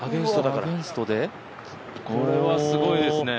これはすごいですね。